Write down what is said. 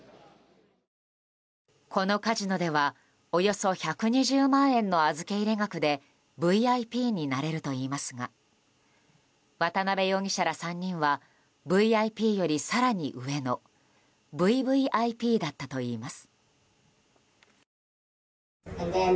このカジノではおよそ１２０万円の預入額でＶＩＰになれるといいますが渡邉容疑者ら３人はＶＩＰより更に上のＶＶＩＰだったといいます。